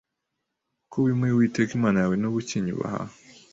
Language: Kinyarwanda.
kuko wimuye Uwiteka Imana yawe ntube ukinyubaha